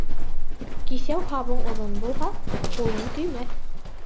Киҫәү һабың оҙон булһа, ҡулың көймәҫ.